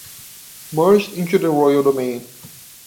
Merged into royal domain.